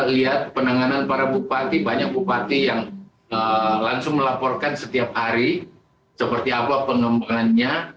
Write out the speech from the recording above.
lihat penanganan para bupati banyak bupati yang langsung melaporkan setiap hari seperti apa pengembangannya